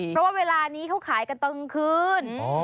เพราะว่าเวลานี้เขาขายกันตอนกลางคืน